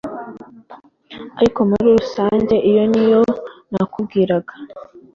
ariko muri rusange iyo niyo nakubwiraga